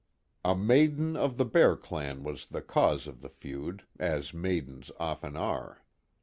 A maiden of the Bear Clan was the cause of the feud, as maidens often are.